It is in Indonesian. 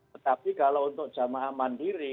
tetapi kalau untuk jamaah mandiri